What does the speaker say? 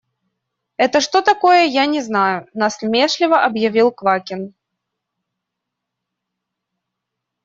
Это что такое, я не знаю, – насмешливо объявил Квакин.